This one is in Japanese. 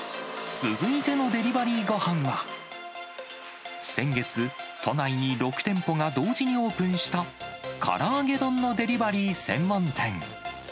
続いてのデリバリーごはんは、先月、都内に６店舗が同時にオープンした、から揚げ丼のデリバリー専門店。